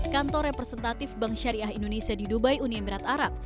kantor representatif bank syariah indonesia di dubai uni emirat arab